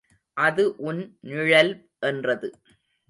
அது உன் நிழல் என்றது.